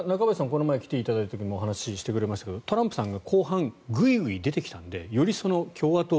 この前来ていただいた時もお話ししていただきましたがトランプさんが後半ぐいぐい出てきたのでより共和党